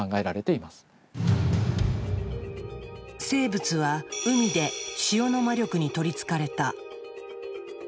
生物は海で塩の魔力に取り憑かれた。